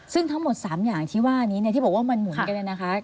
ซึ่งทั้งหมด๓อย่างที่ว่านี้เนี่ยที่บอกว่ามันหมุนกันเนี่ยนะคะ